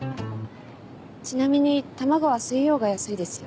ちなみに卵は水曜が安いですよ。